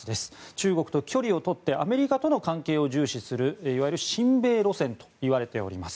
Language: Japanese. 中国と距離をとってアメリカとの関係を重視する、いわゆる親米路線といわれています。